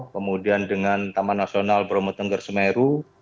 kemudian dengan taman nasional bromo tengger semeru